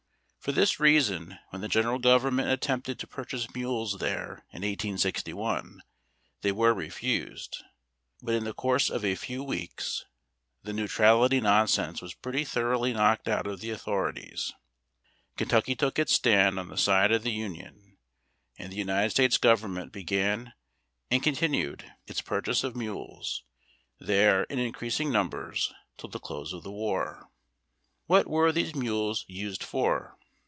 For this reason when the general government attempted to purchase mules tliere in 1861, they were refused ; but in tlie course of a few weeks the neutrality nonsense was pretty thoroughly knocked out of the authorities, Kentucky took its stand on the side of the A SIX JIULE TEAM. Union, and the United States government began and contin ued its purchase of mules there in increasing numbers till the close of the war. What were these mules used for